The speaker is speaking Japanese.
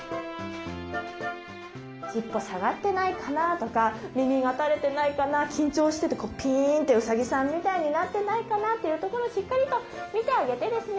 尻尾下がってないかなとか耳が垂れてないかな緊張しててピーンとウサギさんみたいになってないかなというところをしっかりと見てあげてですね